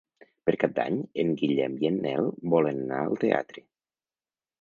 Per Cap d'Any en Guillem i en Nel volen anar al teatre.